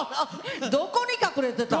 どこに隠れてたん？